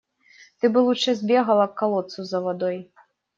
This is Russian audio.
Ты бы лучше сбегала к колодцу за водой.